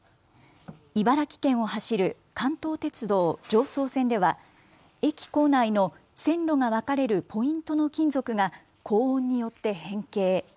茨城県を走る関東鉄道常総線では駅構内の線路が分かれるポイントの金属が高温によって変形。